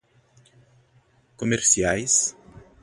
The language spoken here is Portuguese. comerciais